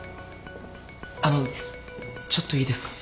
あのちょっといいですか？